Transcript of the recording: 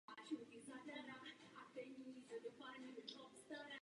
Je zakládajícím členem United Jazz and Rock Ensemble.